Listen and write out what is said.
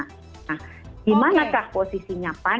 nah dimanakah posisinya pan